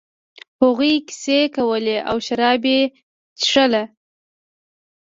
هغوی کیسې کولې او شراب یې ایشخېشل.